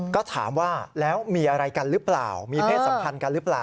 ก็ถามว่าแล้วมีอะไรกันหรือเปล่ามีเพศสัมพันธ์กันหรือเปล่า